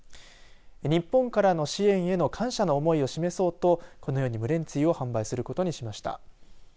日本からの支援への感謝の思いを示そうと、このようにムレンツィを販売することにしました。